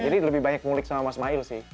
jadi lebih banyak mulik sama mas mail sih